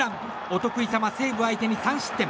お得意様、西武相手に３失点。